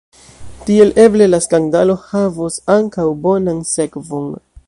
Tiel eble la skandalo havos ankaŭ bonan sekvon.